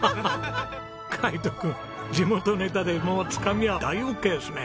海斗君地元ネタでもうつかみは大オッケーですね。